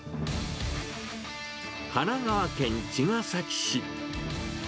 神奈川県茅ヶ崎市。